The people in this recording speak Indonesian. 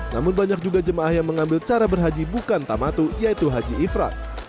namun banyak juga jemaah yang mengambil cara berhaji bukan tamatu yaitu haji ifran